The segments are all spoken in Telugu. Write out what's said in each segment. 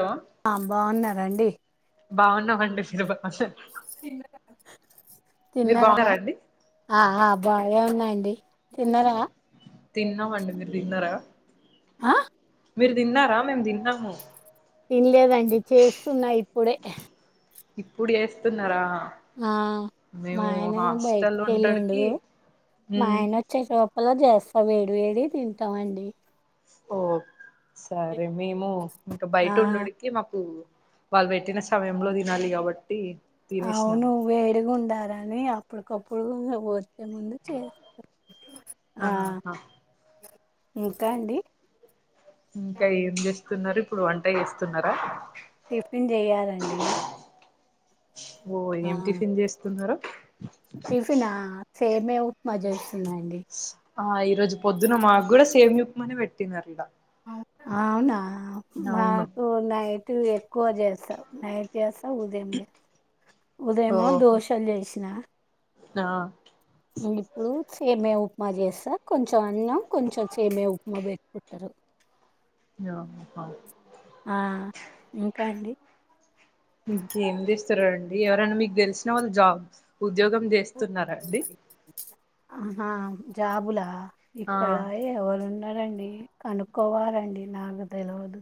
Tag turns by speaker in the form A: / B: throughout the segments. A: హలో
B: ఆ బాగున్నారండి
A: బాగున్నం అండి
B: సి
A: మీరు
B: తిన్నారా
A: బాగున్నారా అండి
B: ఆ బాగా ఉన్నాయండి తిన్నారా
A: తిన్నామండి మీరు తిన్నారా
B: ఆ
A: మీరు తిన్నారా మేము తిన్నాము
B: తన్లేదండి చేస్తున్నా ఇప్పుడే
A: ఇప్పుడు వేస్తున్నారా
B: ఆ మా ఆయన
A: హాస్టల్
B: బయటికి వెళ్ళిండు
A: ఉండడికి
B: మా ఆయన వచ్చేలోపలో చేస్తా అ వేడి వేడి తింటామండి
A: ఓ సరే అరే మేము ఇంకా
B: ఆ
A: బయట ఉండడికి మాకు వాళ్ళు పెట్టిన సమయంలో తినాలి కాబట్టి తినేసినాం
B: అవును వేడుగు ఉండారని అని అప్పటికప్పుడు వ ఇ ముందు చేస్తారు ఆ
A: ఆహా
B: ఇంకా అండి
A: ఇంకా ఏం చూస్తూ ఇస్తున్నారు ఇప్పుడు వంట చేస్తున్నారా
B: టిఫిన్ చెయ్యాలండి
A: ఓ
B: ఆ
A: ఏం టిఫిన్ చేస్తున్నరు
B: టిఫినా సేమియా ఉప్మా చేస్తు
A: ఆ ఈరోజు పొద్దున్న మాకు కూడా సేమియా ముందు పెట్టిరంటా
B: అవునా
A: అవును
B: మాకున్నాయి తువేక్ ఎక్కువ చేస్తా నైట్ చేస్తా ఉదయం చేస్తా ఉదయమో
A: ఓహో
B: దోశలు చేసినా
A: ఆ
B: ఇప్పుడు సేమియా ఉప్ ఉప్మా చేస్తా కొంచెం అన్నం కొంచెం సేమియా ఉప్మా పెట్టుకుంటారు
A: హాహ్ హ
B: ఆ ఇంకా అండి
A: ఇంకేం చేస్తారండి ఎవరైనా మీకు తెలిసిన వాళ్ళు జాబ్ ఉద్యోగం చేస్త స్తున్నారండి
B: ఆహా జాబు లా
A: ఆ
B: ఇక్కడ ఎవరున్ న్నారండి కనుక్కోవాలండి నాకు తెలువదు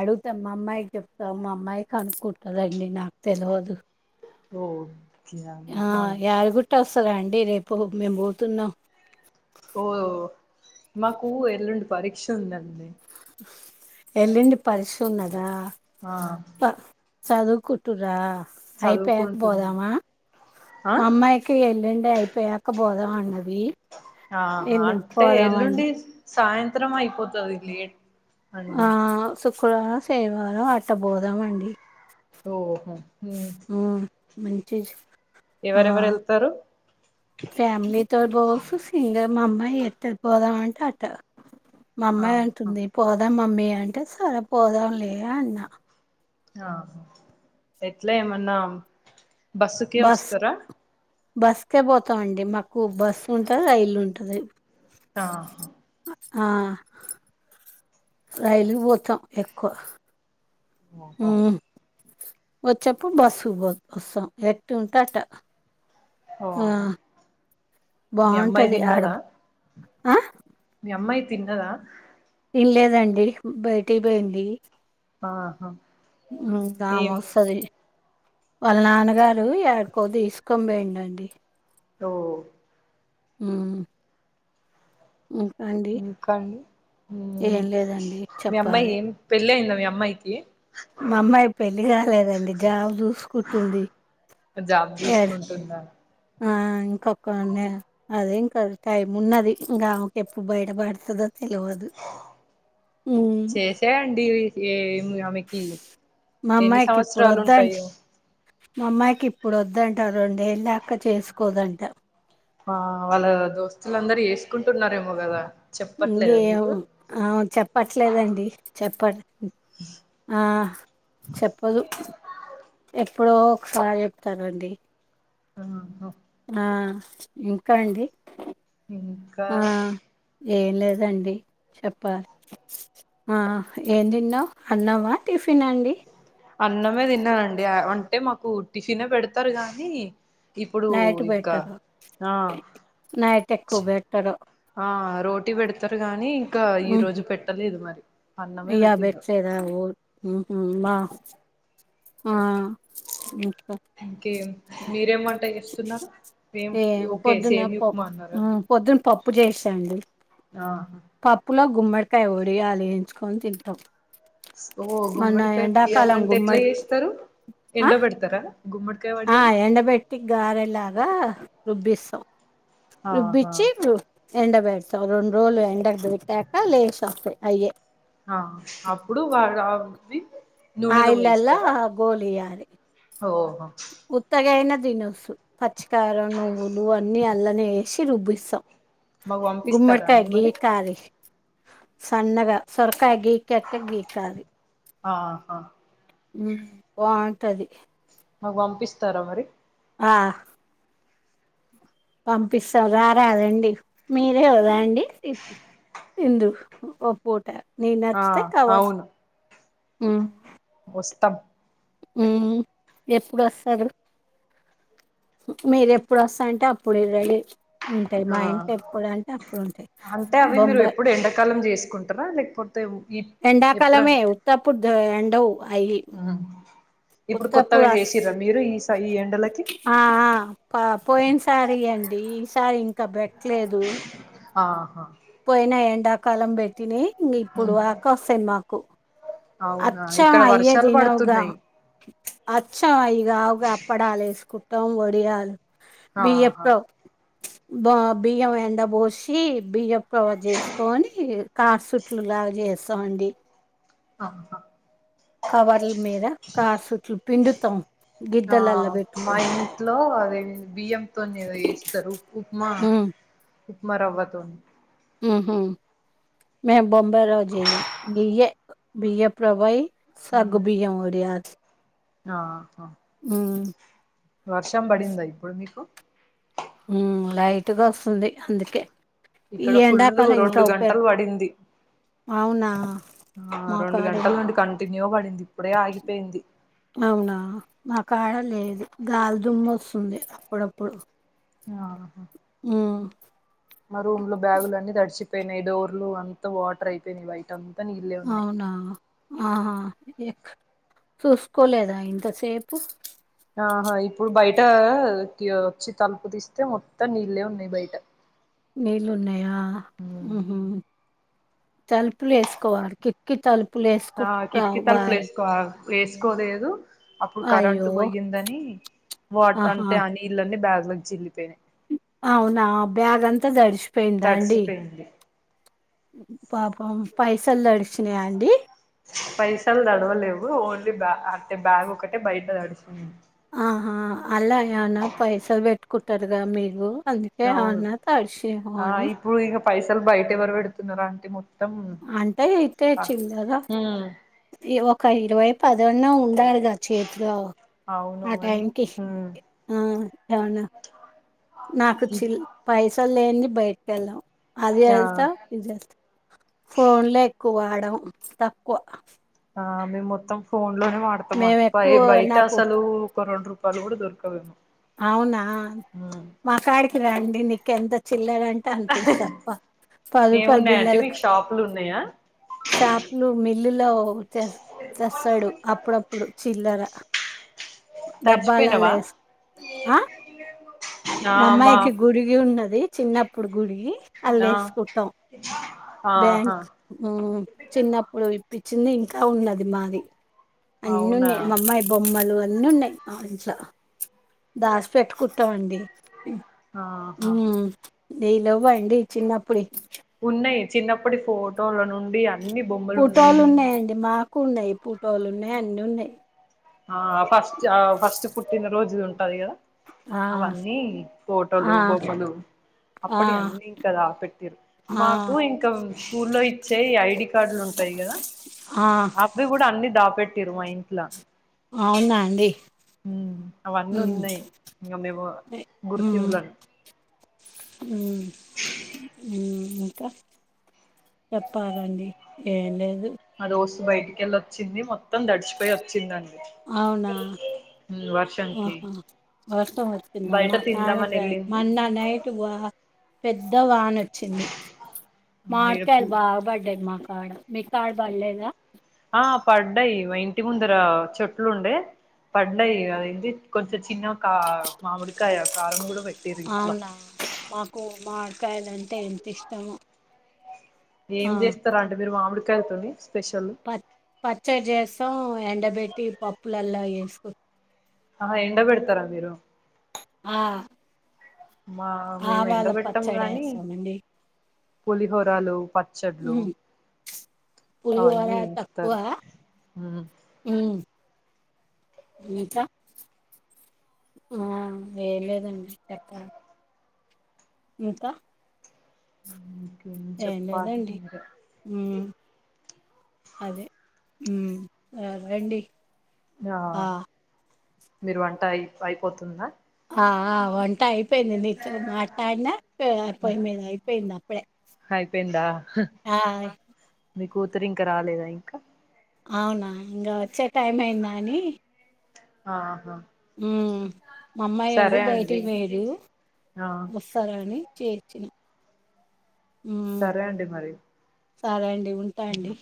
B: అడుగుతా మా అమ్మాయికి చెప్తా మా అమ్మాయి కనుక్కుంటదండి నాకు తెలవదు
A: ఓహో
B: ఆ యాదిగుట్ట వ స్తారండి రేపు మేము పోతున్నాం
A: ఓ మాకు ఎల్లుండి పరీక్ష ఉందండి
B: ఎల్లుండి పరీక్ష ఉన్నదా
A: ఆ
B: చదువుకుట్టుర్రా అయిపోయాక
A: చదువుకుంటున్నాం
B: పోదామా
A: ఆ
B: మా అమ్మాయికి ఎల్లుండి అయిపోయాక పోదాం అన్నది
A: ఆహా
B: ఎల్లుండి
A: అంటే
B: పోదామండి
A: ఎల్లుండి సాయంత్రం అయిపోతది లేట్ అండి
B: ఆ శుక్రవారం శనివారం అట్టబోదాం అండి
A: ఓ ఉమ్
B: మంచి జు ఆ,
A: ఎవరెవరు వెళ్తారు
B: ఫ్యామలీతో బోస్సు సింగ మామ్మాయ్ ఎత్తద్ పోదాం అంటే అట్ట మామ్మాయి
A: ఆహా
B: అంటుంది పోదాం మమ్మీ ఏ అంటే సరే పోదాంలే అన్నా
A: ఆ ఎట్ల ఎమన్నా బస్సుకే వస్త్
B: బస్
A: స్సర
B: బస్కే పోతాం అండి, మాకు బస్సు ఉంటది, రైలుంటది.
A: ఆహా
B: ఆ రైలుకు పోతాం ఎక్కువ
A: ఒఓ
B: వచ్చప్పుడు బస్సు పో వస్సాం ఎట్టుంటే అట్ట
A: ఓహో మీ అమ్మాయి
B: బావుంటది ఆడబ్ ఆ
A: అమ్మాయ్ తిన్నదా
B: ఇన్ లేదండి బయటి పొయింది.
A: ఆహా
B: ఉ
A: ఏం
B: దామోస్సది వాళ్ళ నాన్నగారు యార్కో దీసుకొంబియిండండి.
A: ఓ
B: ఉ ఏం లేదండి
A: మీ అమ్మాయి
B: చెప్పాలి
A: ఏం పెళ్ళైంద మీ అమ్మయికి
B: మా అమ్మాయి పెళ్లి కాలేదండి, జాబ్ జుసుకుంటుంది.
A: జాబ్ జుస్కుంటుందా
B: ఆ ఇంకొక నే అదే ఇంకా టైమ్ ఉన్నది ఇంగామె ఎప్పు బయట పడతదొ
A: చేసే యండి ఈ ఏమ్ ఆమెకి
B: మా
A: ఎన్ని
B: అమ్మాయికి ఇప్పుడు
A: సంవస్రాలు
B: వద్దండి
A: ఉంటయో.
B: మా అమ్మాయికి ఇప్పుడు వద్దంట రొండే ల్లేక చేసుకోదంట
A: ఆ వాళ్ళ దోస్తులందరూ ఎస్కుంటున్నారేమో గదా
B: ఇంగేమ్ ఆమ చెప్పట్లేదండి. చెప్పడ్ ఆ చెప్పదు ఎ ఎప్పురో ఒకసారి చెప్తానండి.
A: ఆ హా
B: ఇంకా అండి
A: ఇంకా
B: ఆ ఏం లేదండి చెప్పాలి ఆ ఏం తిన్నావు అన్నావా టిఫినా అండి.
A: అన్నమే తిన్నానండి అంటే మాకు టిఫిన్ పెడతారు గానీ ఇప్పుడు
B: నైట్
A: ఇంకా
B: బెట్టారు
A: ఆ
B: నైట్ ఎక్కువ బెట్టరు
A: ఆ రోటీ పెడతారు గానీ ఇంకా ఈ రోజు పెట్టలేదు మరి అన్నమే
B: ఇయ
A: పెట్టిండ్రు
B: బెస్టద హుమ్ హ ఆ
A: ఇంకే మీరు మీరేమంట చేస్తున్నారు ఏం ఓకే
B: పొద్దున
A: సేమ్ ఉప్మా
B: పప్పు
A: అన్నార
B: పొద్దున పప్పు చేసాండి పప్పు లో గుమ్మడి కై ఒడిలు ఏయించుకొని తింటాం
A: ఓ
B: మొన్న
A: గుమ్మడికాయ వడియాల
B: ఎండాకాలం
A: అంటే ఎట్లా
B: గుమ్మడి
A: చేస్తారు
B: ఆ
A: ఎండబడతారా
B: ఆ ఎండబెట్కి గారెలాగా రుబ్బిస్సా
A: ఆహా
B: రబ్బిచిర్రు ఎండ బేడతా రెండు రోజులు ఎండ ట్టక లేస్ అంతే అయ్యే
A: ఆ అప్పుడు వాడా వు వి
B: ఆ ఇల్లా లా గోలి యేలి
A: ఓహో
B: ఉత్తగాయయన దినసు పత్ చ్చికారం నువ్వులు అన్నీ అల్లనే క్షి రుబ్బిస్సం
A: మాకు పంపిస్తారా
B: గుమ్మటికాయా
A: అండి మరి
B: గీట్ కారీ సన్నగా సొర్ [unintelligible] గీకాలి కాలి
A: ఆహా
B: ఉమ్ బా తది
A: మాకు పంపిస్తారా మరి
B: ఆ పంపిస్తం రా రాదండీ మీరే రాండి ఇందు ఓ పూట్
A: ఆ అవునూ
B: మా
A: వస్తమ్
B: ఊ ఎప్పుడొస్తరు మీరెప్పుడొస్తా అంటే అప్పుడె రెడీ ఉంటయ్
A: ఆ
B: మా ఇంట్ల ఎప్పుడంటే అప్పుడు ఉంటయ్
A: అంటే అవి మీరు
B: బొంబా
A: ఎప్పుడు ఎండాకాలం చేసుకుంటారా లేకపోతే ఈ ఎప్పుడ
B: ఎండాకాలమే ఉత్తప్పుడ్ దా ఎండవ్ అయ్యి
A: ఇప్పుడు
B: ఉత్తప్పుడు
A: కొత్తగా
B: అస్
A: చేసిర్రా మీరు ఈ స ఈ ఎండలకి
B: ఆ ఆ పా పోయిన్ సారీ యండీ ఈసారి ఇంక బెట్ ట్లేదూ
A: ఆహ
B: పోయిన ఎండాకాలం బెట్టినయి ఇప్పుడు
A: ఉమ్.
B: ఆకస్సెయ్ మాకూ
A: అవునా
B: అచ్చం
A: ఇక్కడ
B: అయ్యే
A: వర్షాలు
B: దినవుగా
A: పడుతున్నాయి
B: అచ్చం అయగావుగా అప్పడాలే స్ కుట్టం వడియాలు
A: ఆహా
B: బీయ్యప్రో బా బియ్యం ఎండ బోషీ బియ్యం ప్రవ్వ చేసుకోనీ కార్ సుట్లు లాగా చేస్ దాండీ
A: ఆహ
B: కవర్ల మీద కార్ సుట్లు పిండుతం
A: ఆ
B: గిద్దలల్ల
A: మా
B: పెట్టుకొని
A: ఇంట్లో అదే బియ్యంతోని ఏదో ఉక్మ రవ్వతో
B: ఉహు మేము బొంబై రవ్వ జెయ్యం ఇయ్యే బియ్యపు రవ్వయి సగ్గుబియ్యం వడియాలు
A: ఆహ
B: ఊ
A: వర్షం బడిందా ఇప్పుడు మీకు
B: ఉం లైట్గా ఒస్తుంది అందుకే ఈ
A: ఇక్కడ ఫుల్
B: ఎండాకాలం ఇంకా
A: రెండు
B: ఉపయోగ
A: గంటలు బడింది
B: అవునా
A: ఆ
B: మా
A: రెండు
B: కాడ ఇం
A: గంటల నుండి కంటిన్యూ బడింది ఇప్పుడే ఆగిపోయింది
B: అవునా మా కాడ లేదు గాలిదుమ్ము ఒస్తుంది అప్పుడప్పుడు
A: ఆహ
B: ఊ
A: అయి పోయినయ్ డోర్లు అంతా వాటర్ అయిపోయినయ్ బైట
B: అవునా ఆహ ఎక్ చూసుకోలేదా ఇంతసేపు
A: ఆహా ఇప్పుడు బయటకి వచ్చి తలుపు తీస్తే మొత్తం నీళ్లే ఉన్నాయి బయట
B: నీళ్లు ఉన్నాయా ఉహు తలుపులు ఎసుకోవాలి కిక్కి తలుపు
A: ఆ
B: పులేస్కుట్
A: కిటికీ తలుపులు
B: రావాయి
A: వేసుకో వేసుకోలేదు అప్పుడు కరెంట్ పోయిందని వాట్
B: ఆహా!
A: అంటే ఆ నీళ్లన్నీ బ్యాగ్ జిల్లి పైనే
B: అవునా బ్యాగ్ అంతా దడిచిపోయిందా అండి
A: తడిసిపోయింది
B: పాపం పైసలు తడిచినాయా అండి
A: పైసలు దడవలేవు ఓన్లీ బ అంటే బ్యాగ్ ఒకటే బయట దడిస్తుంది
B: ఆహా అలాయనా పైసలు పెట్టుకుంటారుగా మీరూ అందుకే
A: అవును
B: అన్న
A: ఆ
B: తాడిషేమోనాని
A: ఇప్పుడు ఇక పైసలు బయట ఎవరు బేడుతున్నార్ ఆంటీ మొత్తం
B: అంటే అయితే
A: ఆ
B: చిల్లర
A: ఉమ్
B: ఒక ఇరవై పదన్న ఉండాలి చేతిలో
A: అవును
B: ఆ
A: అని
B: టైమ్ కి
A: ఉమ్
B: ఆ ఏమన్నా నాకు చిల్ల పైసల్ లేం భయతికెల్లం అది
A: ఆ
B: వెళ్తా ఇది వెళ్తా ఫోన్ లె ఎక్కు కువాడం తక్కువ
A: మేం మొత్తం ఫోన్ లోనే వాడతాం
B: మేము
A: ఆంటీ
B: ఎక్కువ
A: బయట
B: నాకు
A: అసలు ఒక రెండు రూ పళ్ళు కూడా దొరకవేమో
B: అవునా
A: ఉమ్
B: మా కాడికి రండి నీకెంత చిల్లర అంతిస్త పది పది
A: ఏమున్నాయంటే
B: బిల్లలు
A: మీకు షాపులు ఉన్నాయా
B: షాపులు మిల్లులో తె తెస్తాడు అప్పుడప్పుడు చిల్లర డబ్బాలలో
A: తడిచిపోయినావా
B: లేసు ఆ
A: ఆ మా
B: మాఅమ్మాయికి గుడి ఉన్నది చిన్నప్పుడు గుడి అల్లా
A: ఆ
B: వేసుకుంటాం
A: ఆహా
B: బ్యాంక్ ఊ చిన్నప్పుడు ప్పించింది ఇంకా ఉన్నది మాది.
A: అవునా
B: అన్నున్నాయి మా అమ్మాయి బొమ్మలు అన్నున్నాయి ఆంట్లా దాస్ పెట్టుకుంటామండి. ఉ
A: ఆహా
B: నయలువ్వ అండి చిన్నప్పుడ
A: ఉన్నాయి. చిన్నప్పటి ఫోటోల నుండి అ
B: పోటోలు ఉన్నాయండి మా ఎక్కు ఉన్నాయి పూటోలు ఉన్నాయి, అన్ని ఉన్నాయి.
A: ఆ ఫస్ట్ ఆ ఫస్ట్ పుట్టిన రోజు [unintelligible]
B: ఆ
A: అవన్నీ ఫోటోలు
B: ఆ
A: బొమ్మలు
B: ఆ
A: అప్పటి అన్ని కదా పెట్టారు.
B: ఆ
A: మాకు ఇంకా స్కూల్లో ఇచ్చే ఐడి కార్డులు ఉంటాయి కదా.
B: ఆ
A: అవి కూడా అన్ని దాప పెట్టిరు మా ఇంట్లా
B: అవునా అండి
A: అవన్నీ
B: మ్మ్
A: ఉన్నాయి. ఇంకా మేము గుర్తిపులను
B: ఊ ఉహు చెప్పాలండి ఏం లేదు?
A: అ రోజు బయటికెళ్ళి వచ్చింది, మొత్తం తడిచిపోయి వచ్చిందండి.
B: అవునా
A: వర్షానికి
B: ఆహా వర్షం వచ్చిందా
A: బయట
B: మా కాడ
A: తిందామని వెళ్ళింది
B: మొన్న నైట్ బ పెద్దవాన వచ్చింది
A: ఆ
B: మావిడికాయలు
A: ఈడ
B: బాగ పడ్డాయి మాకు. కాడ మీకు కాడ పడలేదా?
A: ఆ పడ్డాయి మా ఇంటి ముందర చెట్లు ఉండే పడ్డాయి. అ ఏంటి కొంచెం చిన్న కా మామిడికాయ కారం కూడా పె
B: అవునా మాకు మావిడికాయలంటే ఎంత ఇష్టమొ.
A: ఏం చేస్తారా అంటే మీరు మామిడి కాయ తోనీ
B: ప పచ్చడి చేస్తాం ఎ ఎండబెట్టి పప్పులలా వేసుకో
A: ఆ ఎండ పెడతారా మీరు
B: ఆ
A: మా మేము ఎండ
B: ఆవాల
A: పెట్టాం గాని
B: పచ్చడేసామండి
A: పులిహోరాలు పచ్చడ్లు
B: పులిహోర
A: అవన్నీ
B: తక్కు
A: ఇస్తారు మ్
B: హ్మ్ ఇంకా ఆ వేయలేదండి
A: అ
B: ఇంకా
A: ఇంకేం
B: ఏం
A: చెప్పలి
B: లేదండి ఉమ్, అదే హ్మ్ ఆ రండి
A: ఆ మీరు వంట అయి అయిపోతుందా
B: ఆ ఆ వంట్ వన్ట అయిపోయింది నీతో మాట్లాడిన పొయ్యిమీద అయిపోయింది ఇప్పుడే
A: అయిపోయిందా కూతురింకా రాలేదా ఇంకా
B: అవునా ఇంకా వచ్చే టైం అయిందాని
A: ఆహా
B: హ్మ్ మా అమ్మాయోళ్ళు
A: సరే అండి
B: బయటికి పోయిరు
A: ఆ
B: వస్తారని చేర్చిన్
A: సరే అండి మరి
B: సరే అండి ఉంటా అండి